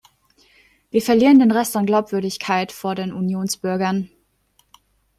Wir verlieren den Rest an Glaubwürdigkeit vor den Unionsbürgern.